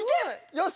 よし！